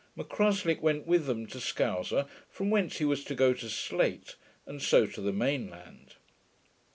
M'Cruslick went with them to Sconser, from whence he was to go to Slate, and so to the main land.